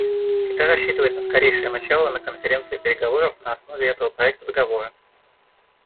Китай рассчитывает на скорейшее начало на Конференции переговоров на основе этого проекта договора.